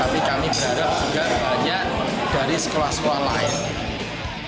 tapi kami berharap juga banyak dari sekolah sekolah lain